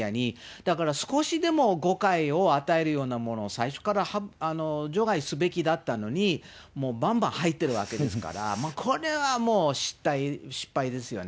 だから少しでも誤解を与えるようなものを最初から除外すべきだったのに、もうばんばん入ってるわけですから、これはもう、失敗ですよね。